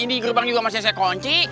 di gerbang juga masih saya kunci